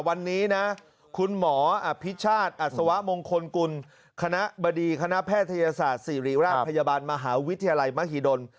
วันนี้นะคุณหมออภิชาติอัศวะมงคลกุลคณะบดีคณะแพทยศาสตร์ศิริราชพยาบาลมหาวิทยาลัยมหิดล